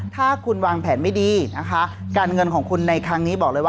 ถ้าคุณวางแผนไม่ดีนะคะการเงินของคุณในครั้งนี้บอกเลยว่า